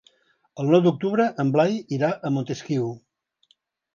El nou d'octubre en Blai irà a Montesquiu.